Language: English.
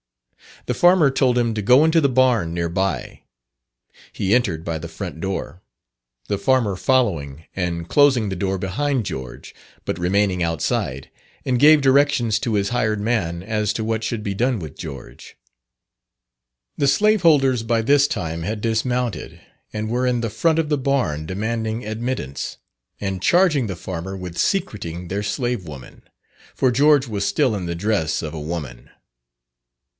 The farmer told him to go into the barn near by; he entered by the front door, the farmer following, and closing the door behind George, but remaining outside, and gave directions to his hired man as to what should be done with George. The slaveholders by this time had dismounted, and were in the front of the barn demanding admittance, and charging the farmer with secreting their slave woman, for George was still in the dress of a woman.